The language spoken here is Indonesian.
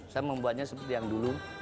saya membuatnya seperti yang dulu